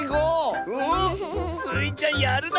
スイちゃんやるな！